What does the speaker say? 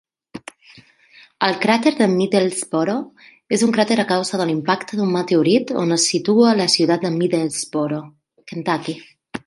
El cràter de Middlesboro és un cràter a causa del impacte d'un meteorit on es situa la ciutat de Middlesboro, Kentucky.